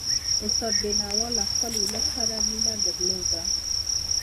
استاد بينوا له خپل ولس سره مینه درلودله.